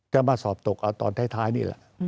จะมาสอบตกเอาตอนท้ายนี่แหละ